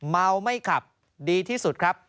เมาไม่ขับดีที่สุดครับ